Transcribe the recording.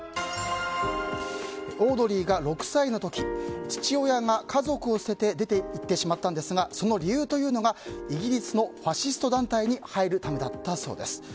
オードリーが６歳の時父親が家族を捨てて出て行ってしまったんですがその理由というのがイギリスのファシスト団体に入るためだったそうです。